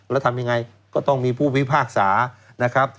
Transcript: แล้วทำอย่างไรก็ต้องมีผู้พิพากษา